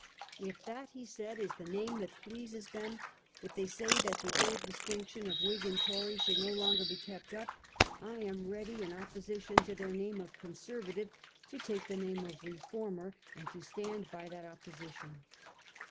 ' If that,' he said, ' is the name that pleases them, if they say that the old distinction of Whig and Tory should no longer be kept up, I am ready, in opposition to their name of Conservative, to take the name of Reformer, and to stand by that opposition.